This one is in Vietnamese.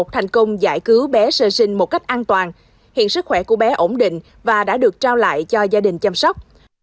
thành công giải cứu bé sơ sinh một cách an toàn hiện sức khỏe của bé ổn định và đã được trao lại cho gia đình chăm sóc